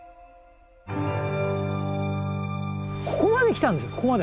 ここまで来たんですここまで。